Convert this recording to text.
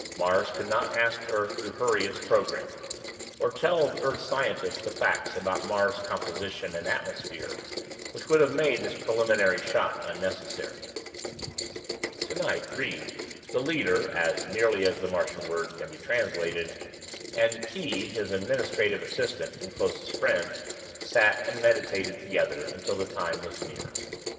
Mars could not ask Earth to hurry its program. Or tell Earth scientists the facts about Mars' composition and atmosphere which would have made this preliminary shot unnecessary. Tonight Ry, the leader (as nearly as the Martian word can be translated), and Khee, his administrative assistant and closest friend, sat and meditated together until the time was near.